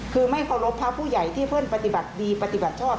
คือไม่เคารพพระผู้ใหญ่ที่เพื่อนปฏิบัติดีปฏิบัติชอบ